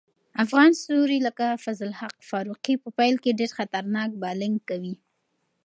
افغان ستوري لکه فضل الحق فاروقي په پیل کې ډېر خطرناک بالینګ کوي.